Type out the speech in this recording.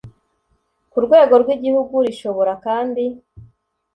ku rwego rw igihugu rishobora kandi